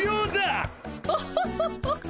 オホホホホ